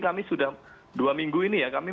kami sudah dua minggu ini ya kami